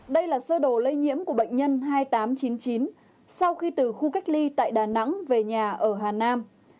đây là sơ đồ lây nhiễm của bệnh nhân hai nghìn tám trăm chín mươi chín sau khi từ khu cách ly tại đà nẵng về nhà ở hà nam